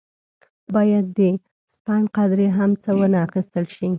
باید د سپڼ قدرې هم څه وانه اخیستل شي.